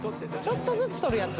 ちょっとずつ取るやつ。